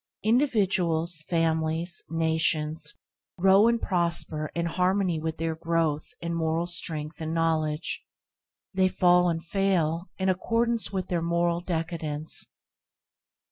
Individuals, families, nations grow and prosper in harmony with their growth in moral strength and knowledge; they fall and fail in accordance with their moral decadence.